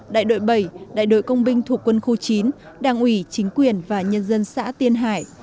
đại đội bảy đại đội công binh thuộc quân khu chín đảng ủy chính quyền và nhân dân xã tiên hải